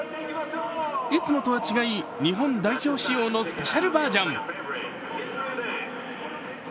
いつもとは違い日本代表仕様のスペシャルバージョン。